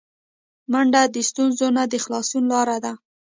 منډه د ستونزو نه د خلاصون لاره ده